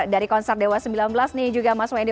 dari konser dewa sembilan belas nih juga mas wendy